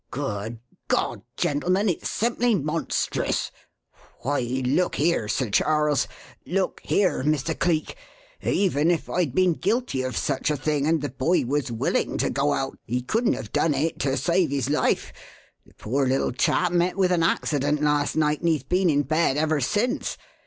Good God! gentlemen, it's simply monstrous! Why, look here, Sir Charles; look here, Mr. Cleek! Even if I'd been guilty of such a thing, and the boy was willing to go out, he couldn't have done it to save his life. The poor little chap met with an accident last night and he's been in bed ever since.